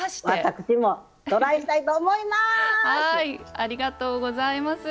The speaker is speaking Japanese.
ありがとうございます。